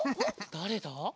だれだ？